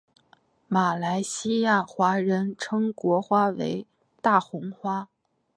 马来西亚华人称国花为大红花。